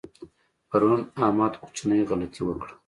پرون احمد کوچنۍ غلطۍ وکړه.